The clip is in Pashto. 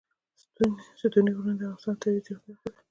ستوني غرونه د افغانستان د طبیعي زیرمو برخه ده.